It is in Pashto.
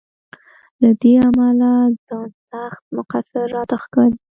له دې امله ځان سخت مقصر راته ښکاري.